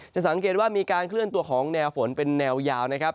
สังเกตว่ามีการเคลื่อนตัวของแนวฝนเป็นแนวยาวนะครับ